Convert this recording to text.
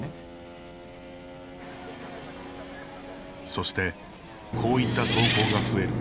そしてこういった投稿が増える